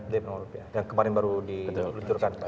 dp rupiah dan kemarin baru diluncurkan pak ya